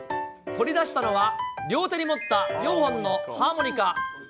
取り出したのは、両手に持った４本のハーモニカ。